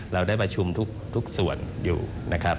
เราได้ประชุมทุกส่วนอยู่นะครับ